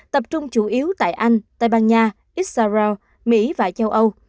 tập trung chủ yếu tại anh tây ban nha issau mỹ và châu âu